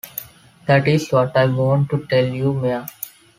That is what I want to tell you, Mya.